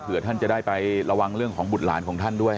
เพื่อท่านจะได้ไประวังเรื่องของบุตรหลานของท่านด้วย